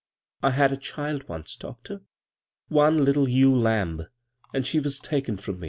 I had a child once, doctor — one little ewe lamb, and she was taken from me.